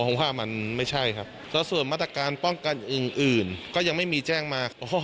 ผมว่ามันไม่ใช่ครับแล้วส่วนมาตรการป้องกันอื่นก็ยังไม่มีแจ้งมา